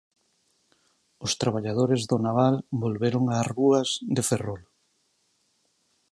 Os traballadores do naval volveron ás rúas de Ferrol.